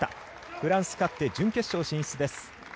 フランス勝って準決勝進出です。